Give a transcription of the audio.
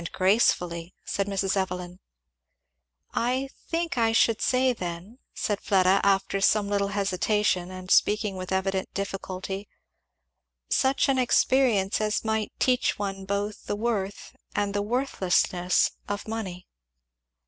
"And gracefully," said Mrs. Evelyn. "I think I should say then," said Fleda after some little hesitation and speaking with evident difficulty, "Such an experience as might teach one both the worth and the worthlessness of money."